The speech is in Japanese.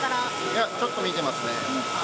いや、ちょっと見てますね。